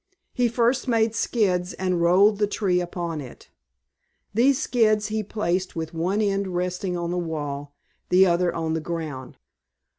He first made skids and rolled the tree upon it. These skids he placed with one end resting on the wall, the other on the ground.